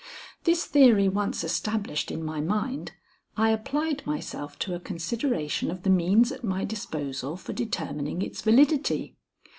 This theory once established in my mind, I applied myself to a consideration of the means at my disposal for determining its validity.